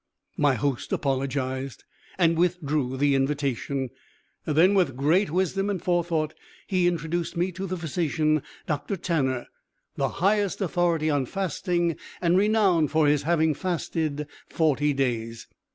My host apologized and withdrew the invitation; then with great wisdom and forethought, he introduced me to the physician, Dr. Tanner, the highest authority on fasting, and renowned for his having fasted forty days.